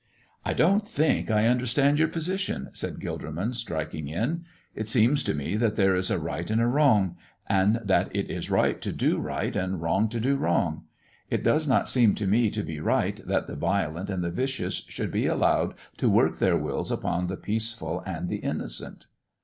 "I don't think I understand your position," said Gilderman, striking in. "It seems to me that there is a right and a wrong, and that it is right to do right and wrong to do wrong. It does not seem to me to be right that the violent and the vicious should be allowed to work their wills upon the peaceful and the innocent."